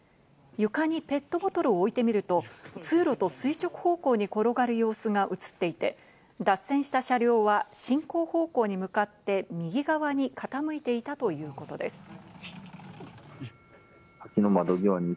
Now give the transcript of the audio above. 床にペットボトルを置いてみると、通路と垂直方向に転がる様子が映っていて、脱線した車両は進行方向に向かって右側に傾いていたということです。